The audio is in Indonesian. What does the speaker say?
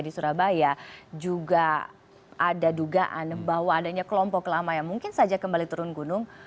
di surabaya juga ada dugaan bahwa adanya kelompok lama yang mungkin saja kembali turun gunung